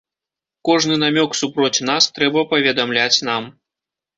Кожны намёк супроць нас трэба паведамляць нам.